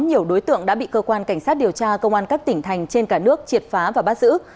nhiều đối tượng đã bị cơ quan cảnh sát điều tra công an các tỉnh thành trên cả nước triệt phá và bắt giữ